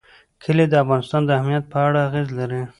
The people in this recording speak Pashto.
کلي د افغانستان د امنیت په اړه اغېز لري.